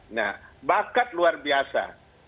nah bakat luar biasa